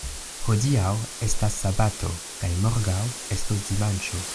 Hodiaŭ estas sabato, kaj morgaŭ estos dimanĉo.